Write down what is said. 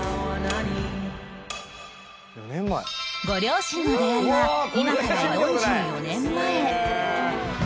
ご両親の出会いは今から４４年前